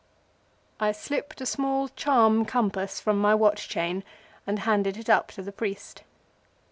I slipped a small charm compass from my watch chain and handed it up to the priest.